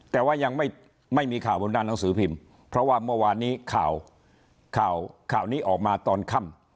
แต่ว่ายังไม่มีข่าวบนด้านหนังสือพิมพ์เพราะว่าเมื่อวานนี้ข่าวข่าวนี้ออกมาตอนค่ำ